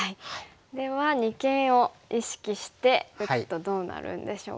では二間を意識して打つとどうなるんでしょうか。